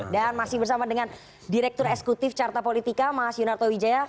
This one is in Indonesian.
dan masih bersama dengan direktur esekutif carta politika mas yunarto wijaya